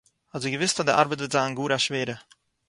האָט זי געוואוסט אַז די אַרבעט וועט זיין גאָר אַ שווערע